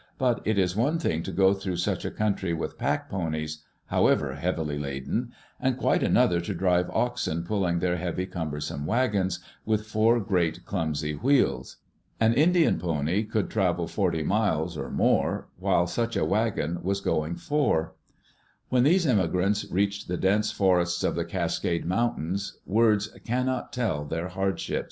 But it is one thing to go through such a country with pack ponies, how ever heavily laden, and quite another to drive oxen pulling their heavy, cumbersome wagons, with four great clumsy wheels. An Indian pony could travel forty miles or more while such a wagon was going four. When these immigrants reached the dense forests of the Cascade Mountains, words cannot tell their hardships.